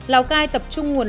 lào cai tập trung nguồn